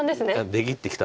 出切ってきたんで。